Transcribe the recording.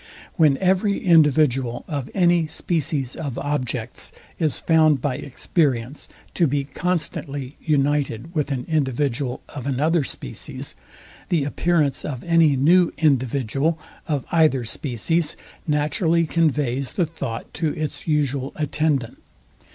When every individual of any species of objects is found by experience to be constantly united with an individual of another species, the appearance of any new individual of either species naturally conveys the thought to its usual attendant.